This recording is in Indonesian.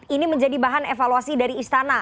ini menjadi bahan evaluasi dari istana